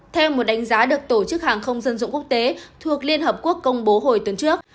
theo một đánh giá được tổ chức hàng không dân dụng quốc tế thuộc liên hợp quốc công bố hồi tuần trước